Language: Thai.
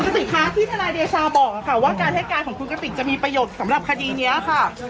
ตอนนี้คะคุณกติจิติค่ะที่ธนาดีชาบอกค่ะว่าการให้การของคุณกติจะมีประโยชน์สำหรับคดีนี้ค่ะ